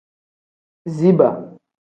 Ziba.